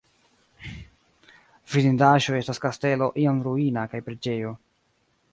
Vidindaĵoj estas kastelo iom ruina kaj preĝejo.